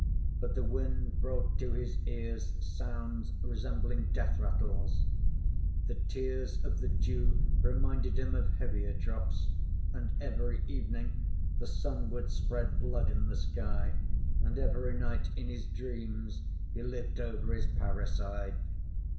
But the wind brought to his ears sounds resembling death rattles; the tears of the dew reminded him of heavier drops, and every evening, the sun would spread blood in the sky, and every night, in his dreams, he lived over his parricide.